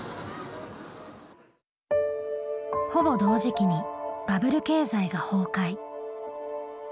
ほぼ同時期にバブル経済が崩壊。